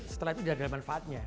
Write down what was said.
setelah itu tidak ada manfaatnya